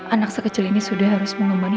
anak sekecil ini sudah harus mengemani